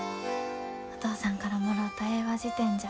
お父さんからもろうた英和辞典じゃ。